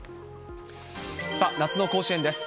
さあ、夏の甲子園です。